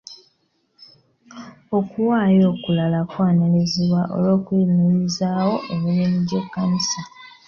Okuwaayo okulala kwanirizibwa olw'okuyimirizaawo emirimu gy'ekkanisa.